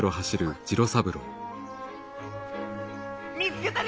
見つけたり！